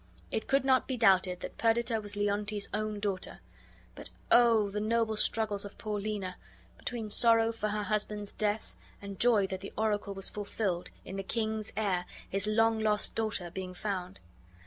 It could not be doubted that Perdita was Leontes's own daughter. But, oh, the noble struggles of Paulina, between sorrow for her husband's death and joy that the oracle was fulfilled, in the king's heir, his long lost daughter being found!